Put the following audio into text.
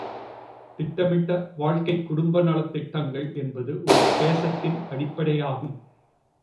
திட்டமிட்ட வாழ்க்கை குடும்ப நலத் திட்டங்கள் என்பது ஒரு தேசத்தின் அடிப்படையாகும்.